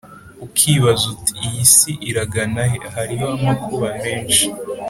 ukibaza uti iyi si iragana he Hariho amakuba menshi